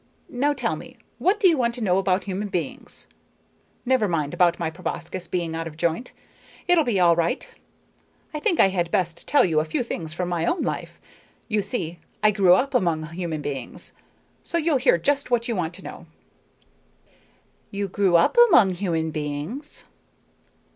Now tell me. What do you want to know about human beings? Never mind about my proboscis being out of joint. It'll be all right. I think I had best tell you a few things from my own life. You see, I grew up among human beings, so you'll hear just what you want to know." "You grew up among human beings?"